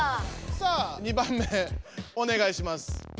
さあ２番目おねがいします。